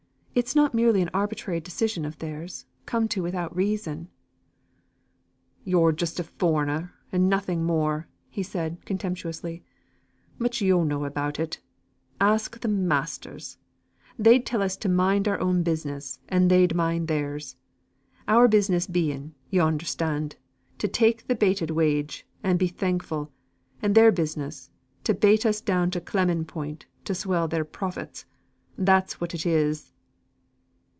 It is not merely an arbitrary decision of theirs, come to without reason." "Yo're just a foreigner, and nothing more," said he, contemptuously. "Much yo know about it. Ask th' masters! They'd tell us to mind our own business, and they'd mind theirs. Our business being, yo understand, to take the bated wage, and be thankful; and their business to bate us down to clemming point, to swell their profits. That's what it is."